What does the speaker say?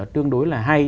tương đối là hay